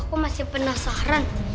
aku masih penasaran